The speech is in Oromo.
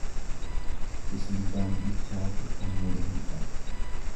Bishingaan bilchaate kan muru hin dhabu.